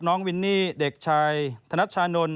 วินนี่เด็กชายธนัชชานนท์